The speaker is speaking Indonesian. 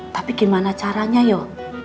tapi gimana caranya yoh